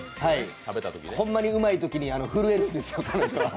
ホンマにうまいときに震えるんですよ、彼女は。